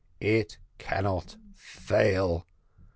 It cannot fail.